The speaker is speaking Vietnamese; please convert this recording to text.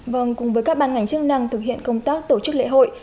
vâng cùng với các ban ngành chức năng thực hiện công tác tổ chức lễ hội